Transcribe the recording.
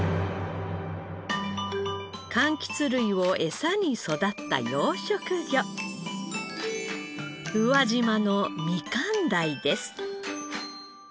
柑橘類をエサに育った養殖魚宇和島のみかん鯛です。